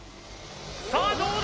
さあどうだ？